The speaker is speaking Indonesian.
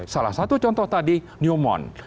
salah satu contoh tadi newmont